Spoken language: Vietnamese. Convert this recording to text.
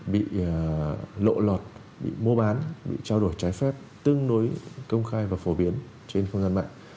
bị lộ lọt bị mua bán bị trao đổi trái phép tương đối công khai và phổ biến trên không gian mạng